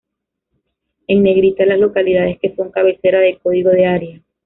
En negrita, las localidades que son cabecera de código de área.